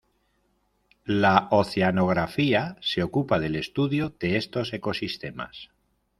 La oceanografía se ocupa del estudio de estos ecosistemas.